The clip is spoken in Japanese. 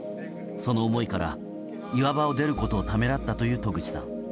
その思いから岩場を出ることをためらったという渡口さん。